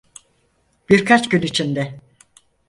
Birkaç gün içinde.